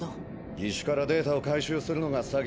義手からデータを回収するのが先だ。